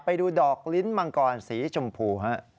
ไปดูดอกลิ้นมังกรสีชมพูฮะ